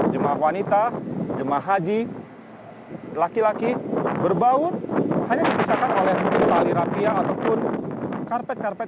jemaah wanita jemaah haji laki laki berbaur hanya dipisahkan oleh tali rapiah ataupun karpet karpet